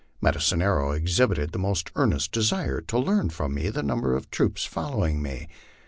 Medicine Arrow exhibited the most earnest desire to learn from me the number of troops following me.